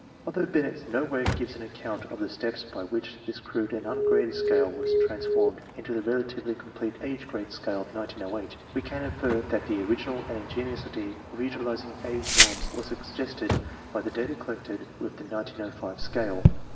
Although Binet nowhere gives any account of the steps by which this crude and ungraded scale was trans formed into the relatively complete age grade scale of Ig08, we can infer that the original and ingenious idea of utiliz ing age norms was suggested by the data collected with the 1905 scale.